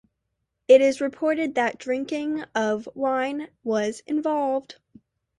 It is reported that drinking of wine was involved.